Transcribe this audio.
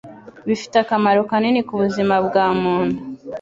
bifite akamaro kanini ku buzima bwa muntu